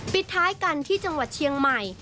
ปิดท้ายกันที่จังหวัดเชียงใหม่